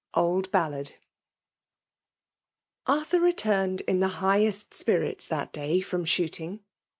Arthdr returned in the highest spirits thst day from shooting.